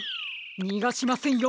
にがしませんよ